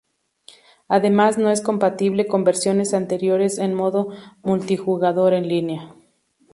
Además no es compatible con versiones anteriores en modo multijugador en línea.